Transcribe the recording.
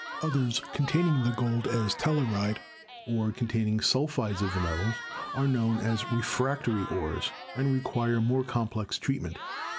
Others, containing the gold as telluride or containing sulphides of the metals, are known as 'refractory ores' and require more complex treatment.